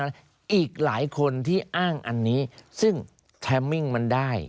เวลามันได้จังหวะมันได้